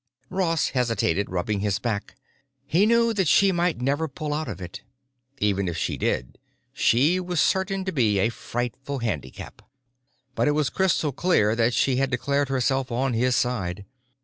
Ross hesitated, rubbing his back. He knew that she might never pull out of it. Even if she did, she was certain to be a frightful handicap. But it was crystal clear that she had declared herself on his side.